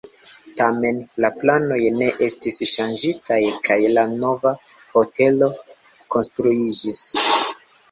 Tamen la planoj ne estis ŝanĝitaj kaj la nova hotelo konstruiĝis.